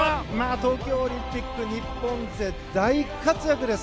東京オリンピック日本勢大活躍です。